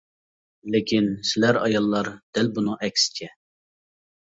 لېكىن، سىلەر ئاياللار دەل بۇنىڭ ئەكسىچە.